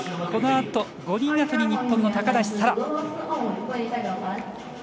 このあと、５人あとに日本の高梨沙羅。